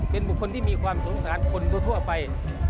เป็นบุคคลที่มีความสงสารคนทั่วไป